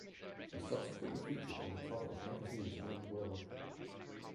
She subsequently featured on the cover of magazines around the world.